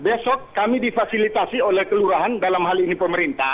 mereka mengetahui yanga besok kami difasilitasi oleh kelurahan dalam hal ini pemerintah